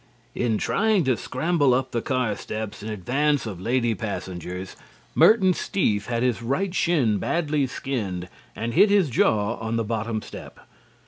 In trying to scramble up the car steps in advance of lady passengers, Merton Steef had his right shin badly skinned and hit his jaw on the bottom step.